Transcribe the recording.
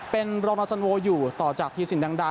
เป็นรองนาวสันโว่อยู่ต่อจากภูตสินดังดา